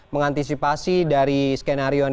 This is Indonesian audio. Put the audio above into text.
mengantisipasi dari skenario yang